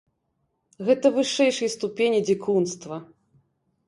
Гэта вышэйшай ступені дзікунства.